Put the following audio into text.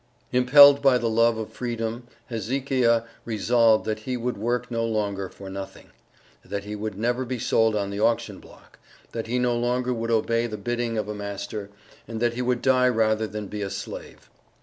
Impelled by the love of freedom Hezekiah resolved that he would work no longer for nothing; that he would never be sold on the auction block: that he no longer would obey the bidding of a master, and that he would die rather than be a slave.